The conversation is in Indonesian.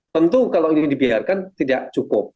tentu kalau ini dibiarkan tidak cukup